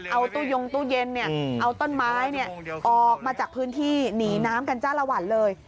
เอาตู้ยงตู้เย็นเอาต้นไม้ออกมาจากพื้นที่หนีน้ำกันจ้าละวันเลย